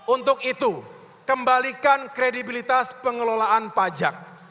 untuk itu kembalikan kredibilitas pengelolaan pajak